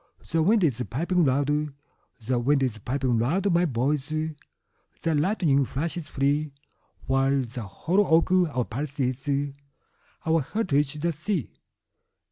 The wind is piping loud; The wind is piping loud, my boys, The lightning flashes free—While the hollow oak our palace is, Our heritage the sea.